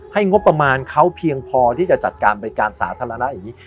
งบประมาณเขาเพียงพอที่จะจัดการบริการสาธารณะอย่างนี้